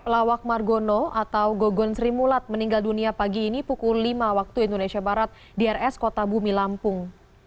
lawak margono atau gogon sri mulat meninggal dunia pagi ini pukul lima waktu indonesia barat di rs kota bumi lampung